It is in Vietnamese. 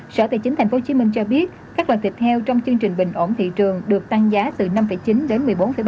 sở tài chính tp hcm cho biết các loại thịt heo trong chương trình bình ổn thị trường được tăng giá từ năm chín đến một mươi bốn ba